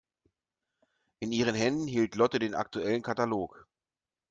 In ihren Händen hielt Lotte den aktuellen Katalog.